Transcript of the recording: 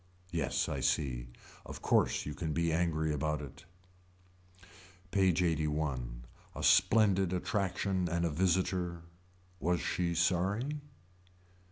Yes I see. Of course you can be angry about it. PAGE LXXXI. A splendid attraction and a visitor. Was she sorry.